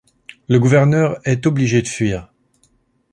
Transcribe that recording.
Le gouverneur est obligé de fuir.